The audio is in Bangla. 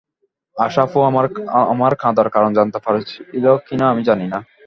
আশা আপু আমার কাঁদার কারণ জানতে পেরেছিল কিনা আমি জানি না।